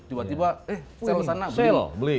tiba tiba eh sel sana beli